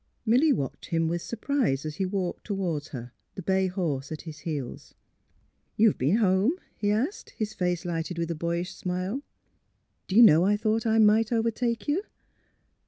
Milly watched him with surprise as he walked toward her, the bay horse at his heels. '' You've been home? " he asked, his face lighted with a boyish smile. '^ Do you know I thought I might overtake you?